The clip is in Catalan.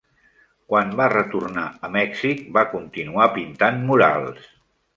Quan va retornar a Mèxic, va continuar pintant murals.